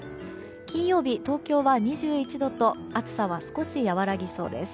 金曜日、東京は２１度と暑さは少し和らぎそうです。